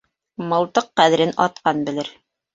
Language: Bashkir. Мылтыҡ ҡәҙерен атҡан белер.